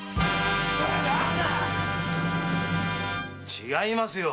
違いますよ。